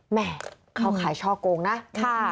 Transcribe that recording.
แม่เข้าขายช่อโกงนะ